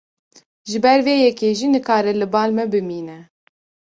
Ji ber vê yekê jî nikare li bal me bimîne.